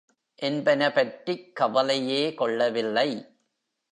என்பன பற்றிக் கவலையே கொள்ளவில்லை.